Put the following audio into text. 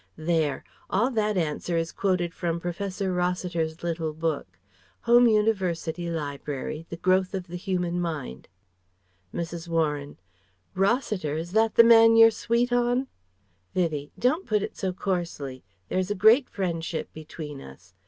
There! All that answer is quoted from Professor Rossiter's little book (Home University Library, "The Growth of the Human Mind")." Mrs. Warren: "Rossiter! Is that the man you're sweet on?" Vivie: "Don't put it so coarsely. There is a great friendship between us.